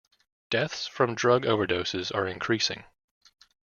Deaths from drug overdoses are increasing.